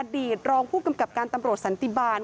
ตรองผู้กำกับการตำรวจสันติบาล